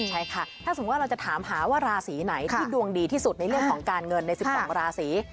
ใช่ค่ะถ้าสมมุติว่าเราจะถามหาว่าราศีไหนที่ดวงดีที่สุดในเรื่องของการเงินใน๑๒ราศี